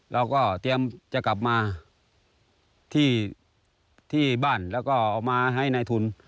เราก็เตรียมจะกลับมาที่บ้านแล้วก็เอามาให้นายทุน